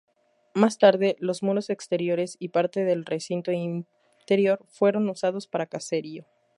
Más tarde los muros exteriores y parte del recinto interior fueron usados para caserío.